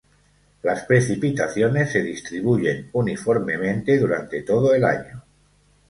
Las precipitaciones se distribuyen uniformemente durante todo el año.